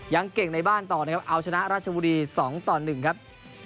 ยังเก่งในบ้านต่อนะครับเอาชนะราชบุรี๒ต่อ๑ครับ